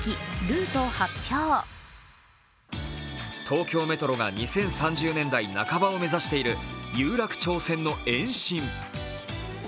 東京メトロが２０３０年代半ばを目指している有楽町線の延伸。